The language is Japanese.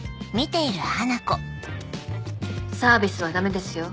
サービスはダメですよ。